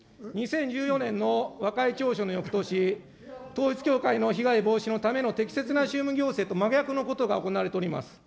２０１４年の和解調書のよくとし、統一教会の被害防止のための適切な宗務行政と真逆のことが行われております。